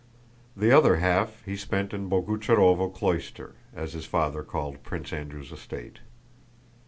The other half he spent in "Boguchárovo Cloister," as his father called Prince Andrew's estate.